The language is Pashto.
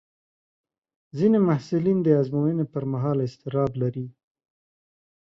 ځینې محصلین د ازموینې پر مهال اضطراب لري.